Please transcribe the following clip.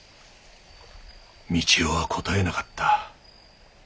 三千代は答えなかった。